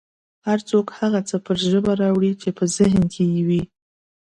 هر څوک هغه څه پر ژبه راوړي چې په ذهن کې یې وي